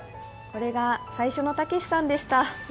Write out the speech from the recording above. これが最初のたけしさんでした。